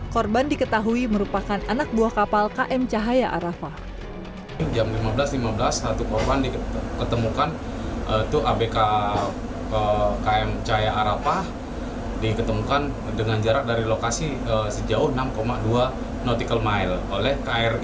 korban diketahui merupakan anak buah kapal km cahaya arafah